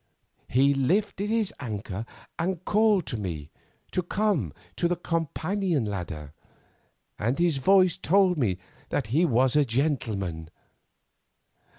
"He lifted his anchor and called to me to come to the companion ladder, and his voice told me that he was a gentleman.